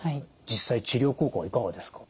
実際治療効果はいかがですか？